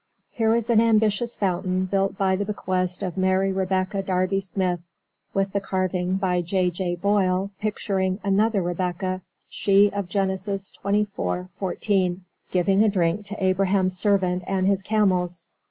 Here is an ambitious fountain built by the bequest of Mary Rebecca Darby Smith, with the carving by J. J. Boyle picturing another Rebecca (she of Genesis xxiv, 14) giving a drink to Abraham's servant and his camels.